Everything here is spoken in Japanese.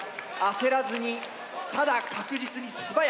焦らずにただ確実に素早く。